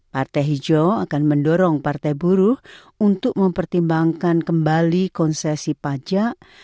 partai hijau akan mendorong partai buruh untuk mempertimbangkan kembali konsesi pajak